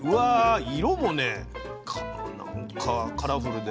色もカラフルで。